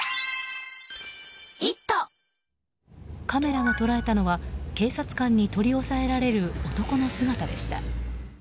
カメラが捉えたのは警察官に取り押さえられる男の姿でした。